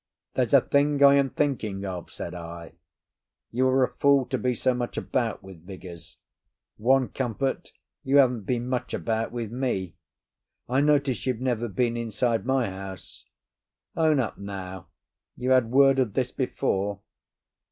"There's a thing I am thinking of," said I. "You were a fool to be so much about with Vigours. One comfort, you haven't been much about with me. I notice you've never been inside my house. Own up now; you had word of this before?"